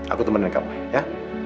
aku temenin kamu ya